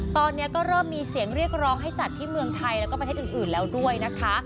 ตอนนี้ก็เริ่มมีเสียงเรียกร้องให้จัดที่เมืองไทยแล้วก็ประเทศอื่นแล้วด้วยนะคะ